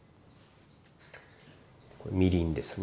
これみりんですね。